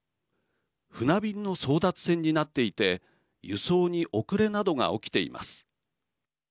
船便の争奪戦になっていて輸送に遅れなどが起きています。